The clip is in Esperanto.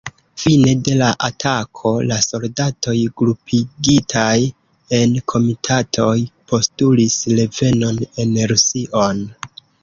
Fine de la atako, la soldatoj grupigitaj en komitatoj postulis revenon en Rusion.